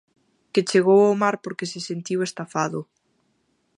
Que chegou ao mar porque se sentiu estafado.